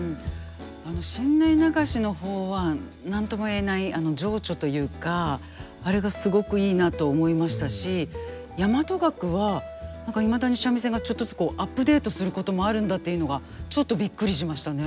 あの新内流しの方は何とも言えない情緒というかあれがすごくいいなと思いましたし大和楽はいまだに三味線がちょっとずつアップデートすることもあるんだというのがちょっとびっくりしましたね。